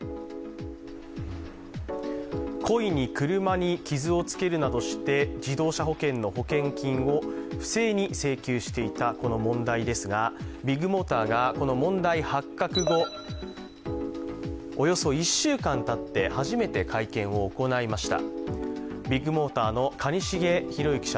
故意に車に傷をつけるなどして自動車保険の保険金を不正に請求していたこの問題ですが、ビッグモーターがこの問題発覚後、およそ１週間たって初めて会見を行いました。